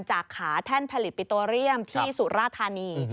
จากขาแท่นผลิตปิโตเรียมที่สุราธานี